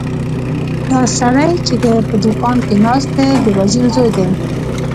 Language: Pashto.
دا سړی چې په دوکان کې ناست دی د وزیر زوی دی.